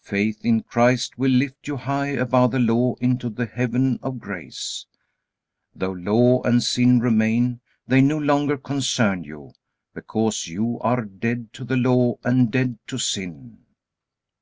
Faith in Christ will lift you high above the Law into the heaven of grace. Though Law and sin remain, they no longer concern you, because you are dead to the Law and dead to sin."